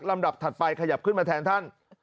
ลำดับถัดไปขยับขึ้นมาแทนท่าน